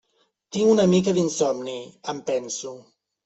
Tinc una mica d'insomni, em penso.